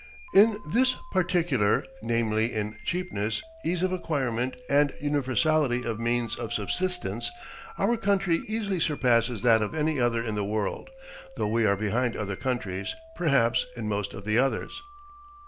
In this particular, namely, in cheapness, ease of acquirement, and universality of means of subsistence, our country easily surpasses that of any other in the world, though we are behind other countries, perhaps, in most of the others.